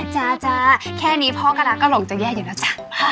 จ้าแค่นี้พ่อกราก็หลงจะแย่อยู่แล้วจ๊ะ